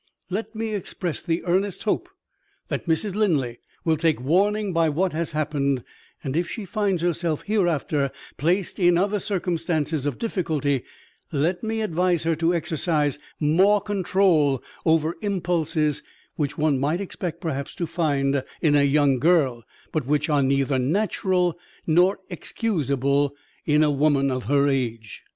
Let me express the earnest hope that Mrs. Linley will take warning by what has happened; and, if she finds herself hereafter placed in other circumstances of difficulty, let me advise her to exercise more control over impulses which one might expect perhaps to find in a young girl, but which are neither natural nor excusable in a woman of her age."